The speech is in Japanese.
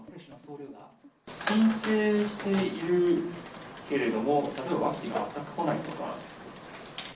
申請しているけれども、例えばワクチンが来ない所も？